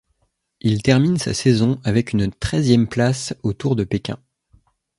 Il termine sa saison avec une treizième place au Tour de Pékin.